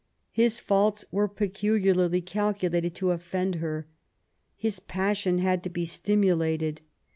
His faults were peculiarly calculated to offend her. His passion had to be stimulated.